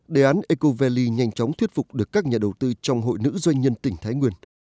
đề án eco valley nhanh chóng thuyết phục được các nhà đầu tư trong hội nữ doanh nhân tỉnh thái nguyên